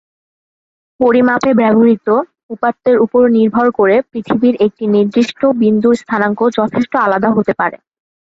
পরিমাপে ব্যবহৃত উপাত্তের উপর নির্ভর করে, পৃথিবীর একটি নির্দিষ্ট বিন্দুর স্থানাঙ্ক যথেষ্ট আলাদা হতে পারে।